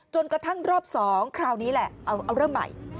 จนกระทั่งรอบสองคราวนี้แหละเริ่มใหม่